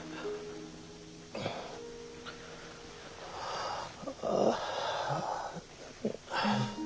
あああ。